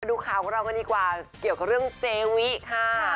ดูข่าวของเรากันดีกว่าเกี่ยวกับเรื่องเจวิค่ะ